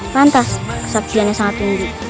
pantas kesaktiannya sangat tinggi